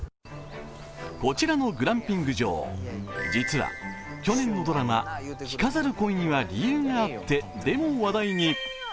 こちらのグランピング場実は去年のドラマ「着飾る恋には理由があって」でも話題に。